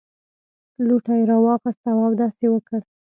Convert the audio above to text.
لوټه یې راواخیسته او اودس یې وکړ.